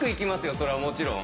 それはもちろん。